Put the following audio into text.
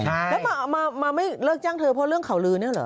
แล้วมาไม่เลิกจ้างเธอเพราะเรื่องข่าวลือเนี่ยเหรอ